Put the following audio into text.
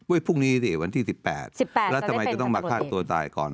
เว้ยพรุ่งนี้เองวันที่สิบแปดสิบแปดแล้วทำไมจะต้องมาฆ่าตัวตายก่อน